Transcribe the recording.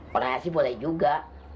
kurangnya sih boleh juga